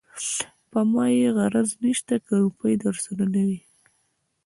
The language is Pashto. په ما يې غرض نشته که روپۍ درسره نه وي.